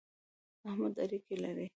احمد اړېکی لري.